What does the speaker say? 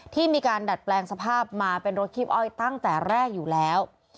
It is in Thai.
ที่มีการดัดแปลงสภาพมาเป็นรถคีบอ้อยตั้งแต่แรกอยู่แล้ว